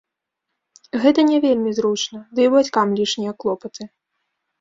Гэта не вельмі зручна, ды і бацькам лішнія клопаты.